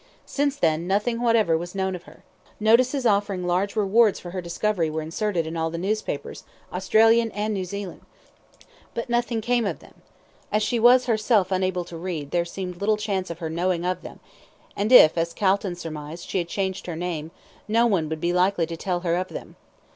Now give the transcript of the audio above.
Since then, nothing whatever was known of her. Notices offering large rewards for her discovery were inserted in all the newspapers, Australian and New Zealand; but nothing came of them. As she herself was unable to read there seemed little chance of her knowing of them; and, if, as Calton surmised she had changed her name, no one would be likely to tell her of them.